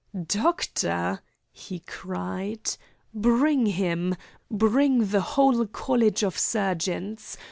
"Doctor!" he cried. "Bring him! Bring the whole College of Surgeons.